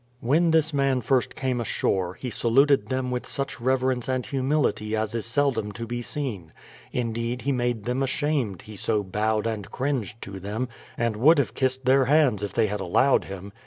When this man first came ashore, he saluted them with such reverence and humility as is seldom to be seen; indeed he made them ashamed, he so bowed and cringed to them, and would have kissed their hands if they had allowed him.